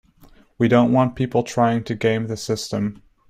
We don't want people trying to game the system.